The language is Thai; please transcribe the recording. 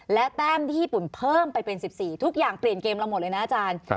และแต้มที่ญี่ปุ่นเพิ่มไปเป็น๑๔ทุกอย่างเปลี่ยนเกมเราหมดเลยนะอาจารย์